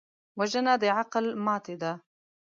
وژنه د عقل ماتې ده